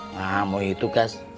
nah mau itu gas